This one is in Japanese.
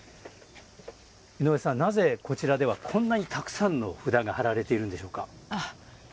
井上さん、なぜこちらではこんなにたくさんの札が貼られているんでしょうか。